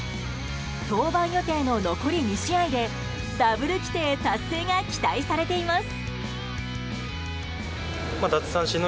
登板予定の残り２試合でダブル規定達成が期待されています。